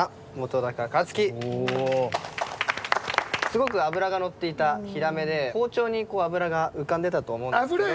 すごく脂がのっていたヒラメで包丁に脂が浮かんでたと思うんですけど。